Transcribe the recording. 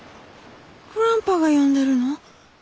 グランパが呼んでるの？